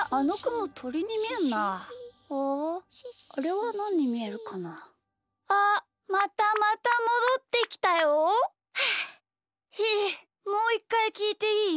はあひーもういっかいきいていい？